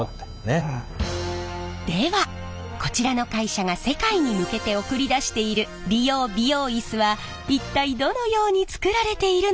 ではこちらの会社が世界に向けて送り出している理容・美容イスは一体どのように作られているのか。